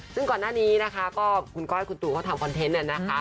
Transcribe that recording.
ซึ่งก่อนหน้านี้นะคะก็คุณก้อยคุณตูเขาทำคอนเทนต์